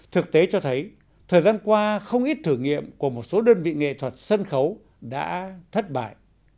thực tế cho thấy thời gian qua không ít thử nghiệm của một số đơn vị nghệ thuật sân khấu đã thất bại